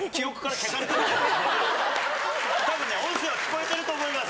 多分ね音声は聞こえてると思います。